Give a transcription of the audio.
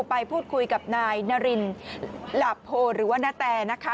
ไปพูดคุยกับนายนารินหลับโพหรือว่านาแตนะคะ